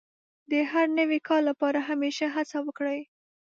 د هر نوي کار لپاره همېشه هڅه وکړئ.